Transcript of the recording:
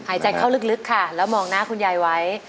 หายใจเข้าลึกค่ะแล้วมองหน้าคุณยายไว้